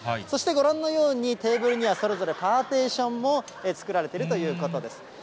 そしてご覧のようにテーブルにはそれぞれパーテーションも作られているということです。